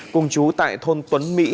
cùng chú tại thôn tuấn mỹ